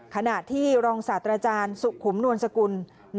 ขณะที่รองศาสตราจารย์สุขุมนวลสกุล